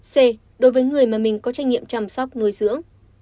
c đối với người mà mình có trách nhiệm chăm sóc nuôi dưỡng